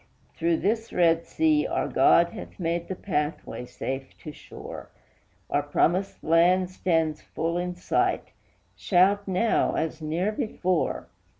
"Through this red sea our God hath made the pathway safe to shore; Our promised land stands full in sight; shout now as ne'er before!"